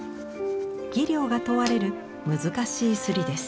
技量が問われる難しい摺りです。